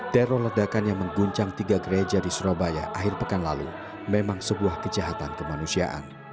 teror ledakan yang mengguncang tiga gereja di surabaya akhir pekan lalu memang sebuah kejahatan kemanusiaan